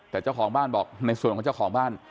แต่เจ้าของบ้านบอกในส่วนของเจ้าของบ้าน